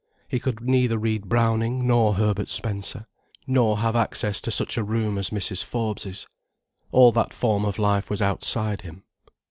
He could neither read Browning nor Herbert Spencer, nor have access to such a room as Mrs. Forbes's. All that form of life was outside him.